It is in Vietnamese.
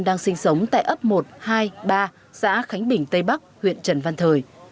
đang sinh sống tại ấp một hai ba xã khánh bình tây bắc huyện trần văn thời